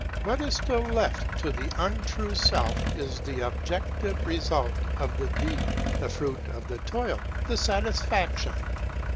What is still left to the untrue Self is the objective result of the deed, the fruit of the toil, the satisfaction.